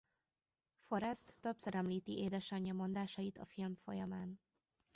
Forrest többször említi édesanyja mondásait a film folyamán.